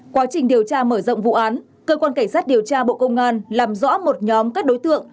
quá trình điều tra mở rộng vụ án cơ quan cảnh sát điều tra bộ công an làm rõ một nhóm các đối tượng